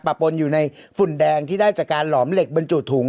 ปนอยู่ในฝุ่นแดงที่ได้จากการหลอมเหล็กบรรจุถุง